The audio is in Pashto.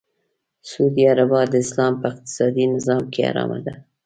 سود یا ربا د اسلام په اقتصادې نظام کې حرامه ده .